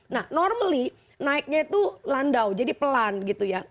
nah normally naiknya itu landau jadi pelan gitu ya